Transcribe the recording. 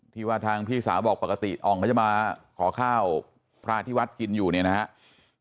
ที่ว่าทางพี่สาวบอกปกติอ่องเขาจะมาขอข้าวพระที่วัดกินอยู่เนี่ยนะครับ